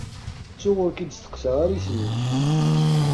Ttuɣ ur k-id-steqsaɣ ara isem-ik.